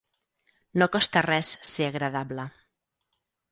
No costa res ser agradable.